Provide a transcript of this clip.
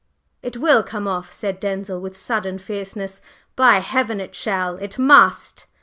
"It will come off!" said Denzil, with sudden fierceness. "By Heaven, it shall! it must!"